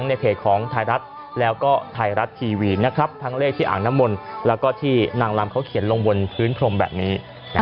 ในเพจของไทยรัฐแล้วก็ไทยรัฐทีวีนะครับทั้งเลขที่อ่างน้ำมนต์แล้วก็ที่นางลำเขาเขียนลงบนพื้นพรมแบบนี้